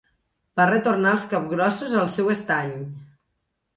Va retornar els capgrossos al seu estany.